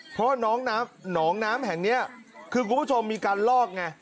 เพราะว่าน้องน้ำหนองน้ำแห่งนี้คือคุณผู้ชมมีการลอกไง